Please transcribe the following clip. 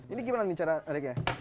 ini gimana nih cara eriknya